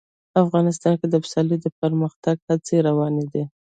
افغانستان کې د پسرلی د پرمختګ هڅې روانې دي.